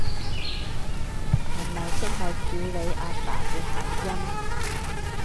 係咪即係少理阿爸嘅諧音？